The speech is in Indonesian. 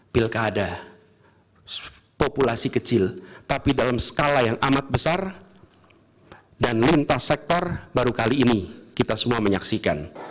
pilkada populasi kecil tapi dalam skala yang amat besar dan lintas sektor baru kali ini kita semua menyaksikan